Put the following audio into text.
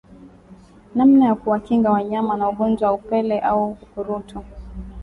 Namna ya kuwakinga wanyama na ugonjwa wa upele au ukurutu